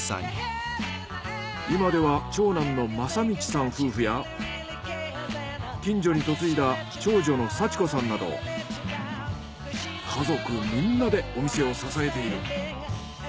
今では長男の正道さん夫婦や近所に嫁いだ長女の佐千子さんなど家族みんなでお店を支えている。